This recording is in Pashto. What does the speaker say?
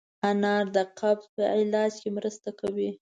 انار د قبض په علاج کې مرسته کوي.